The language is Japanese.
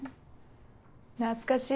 懐かしい。